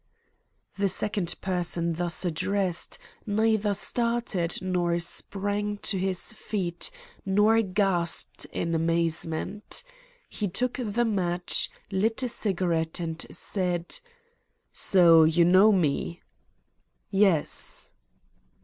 The person thus addressed neither started, nor sprang to his feet, nor gasped in amazement He took the match, lit a cigarette, and said: "So you know me?" "Yes."